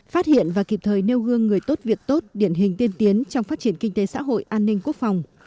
phát hiện và kịp thời nêu gương người tốt việc tốt điển hình tiên tiến trong phát triển kinh tế xã hội an ninh quốc phòng